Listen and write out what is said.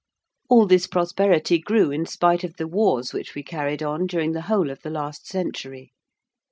_)] All this prosperity grew in spite of the wars which we carried on during the whole of the last century.